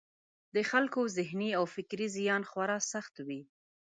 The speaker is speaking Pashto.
د خلکو ذهني او فکري زیان خورا سخت وي.